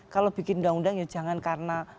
kalau bikin undang undang ya jangan karena